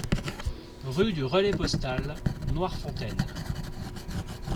Rue du Relais Postal, Noirefontaine